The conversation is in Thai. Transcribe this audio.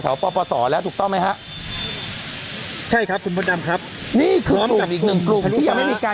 ทางกลุ่มมวลชนทะลุฟ้าทางกลุ่มมวลชนทะลุฟ้า